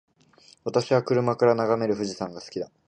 私は車から眺める富士山が好きだ。